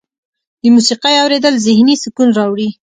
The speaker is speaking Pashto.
د موسیقۍ اوریدل ذهني سکون راوړي.